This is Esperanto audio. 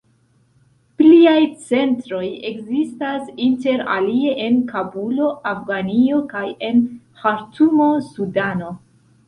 Pliaj centroj ekzistas inter alie en Kabulo, Afganio kaj en Ĥartumo, Sudano.